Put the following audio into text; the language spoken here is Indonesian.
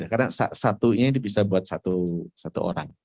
karena satunya ini bisa buat satu orang